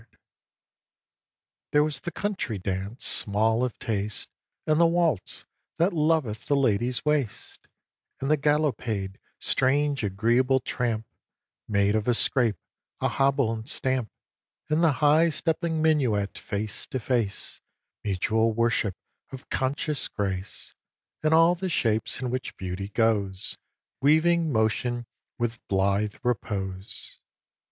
There was the country dance, small of taste; And the waltz, that loveth the lady's waist; And the galopade, strange agreeable tramp, Made of a scrape, a hobble, and stamp; And the high stepping minuet, face to face, Mutual worship of conscious grace; And all the shapes in which beauty goes Weaving motion with blithe repose.